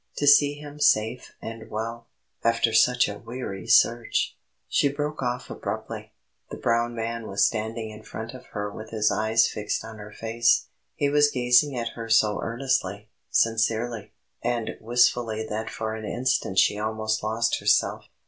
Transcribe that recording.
To see him safe and well, after such a weary search " She broke off abruptly. The brown man was standing in front of her with his eyes fixed on her face; he was gazing at her so earnestly, sincerely, and wistfully that for an instant she almost lost herself.